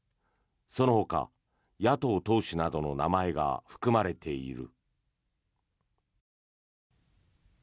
そのほか野党党首などの名前が含まれている。